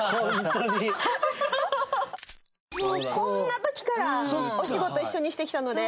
もうこんな時からお仕事一緒にしてきたので。